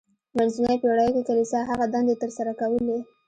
په منځنیو پیړیو کې کلیسا هغه دندې تر سره کولې.